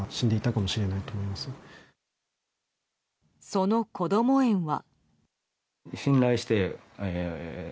そのこども園は。